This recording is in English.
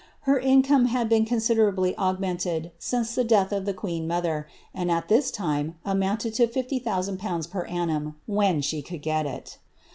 Her income had been considerably aug mented since the death of the queen mother, and at this time amounted to 50,000/. per annum, — when she could get it.